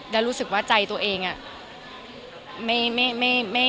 ที่รู้สึกว่าใจตัวเองแบบ